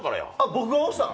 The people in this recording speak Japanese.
僕が押したん？